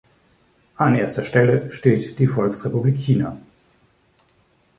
An erster Stelle steht die Volksrepublik China.